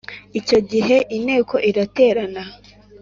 icyo gihe Inteko iraterana